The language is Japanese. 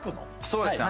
そうですね。